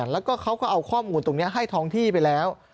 แล้วก็เขาก็เอาข้อมูลตรงนี้ให้ท้องที่ไปแล้ว